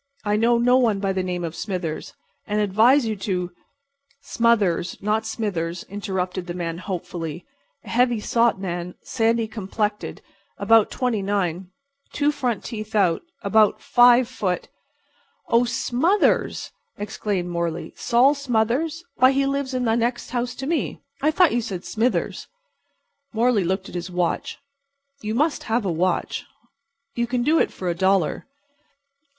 "I know no one by the name of Smithers, and I advise you to"— "Smothers not Smithers," interrupted the old man hopefully. "A heavy set man, sandy complected, about twenty nine, two front teeth out, about five foot"— "Oh, 'Smothers!'" exclaimed Morley. "Sol Smothers? Why, he lives in the next house to me. I thought you said 'Smithers.'" Morley looked at his watch. You must have a watch. You can do it for a dollar.